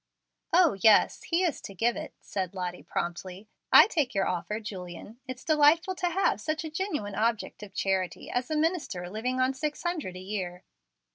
"O, yes, he is to give," said Lottie, promptly. "I take your offer, Julian. It's delightful to have such a genuine object of charity as a minister living on six hundred a year."